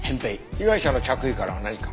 被害者の着衣からは何か？